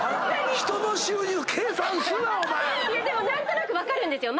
でも何となく分かるんですよ。